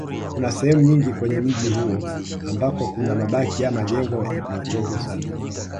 Kuna sehemu nyingi kwenye mji huu ambako kuna mabaki ya majengo makongwe sana